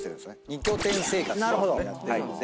二拠点生活をやっているので。